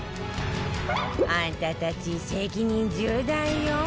あんたたち責任重大よ